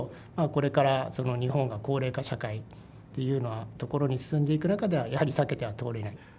これからその日本が高齢化社会っていうようなところに進んでいく中ではやはり避けては通れない。